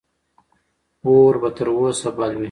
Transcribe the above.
اور به تر اوسه بل وي.